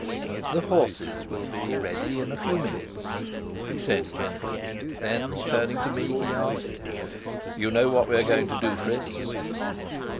"The horses will be ready in a few minutes," he said gently. Then, turning to me, he asked, "You know what we're going to do, Fritz?"